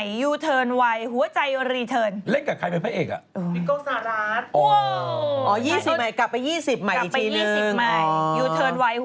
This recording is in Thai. เมื่อกี้มีร่อยที